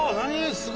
すごい！